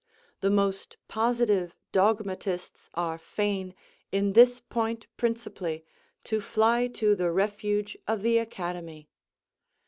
The most positive dogmatists are fain, in this point principally, to fly to the refuge of the Academy.